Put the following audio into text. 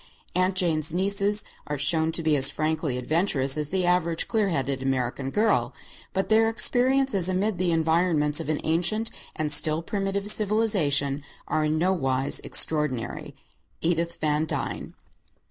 Aunt Jane's nieces are shown to be as frankly adventurous as the average clear headed American girl, but their experiences amid the environments of an ancient and still primitive civilization are in no wise extraordinary. EDITH VAN DYNE.